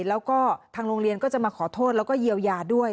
แล้วก็ทางโรงเรียนก็จะมาขอโทษแล้วก็เยียวยาด้วย